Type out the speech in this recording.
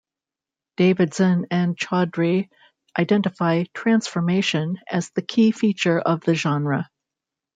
Davidson and Chaudri identify "transformation" as the key feature of the genre.